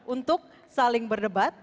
untuk saling berdebat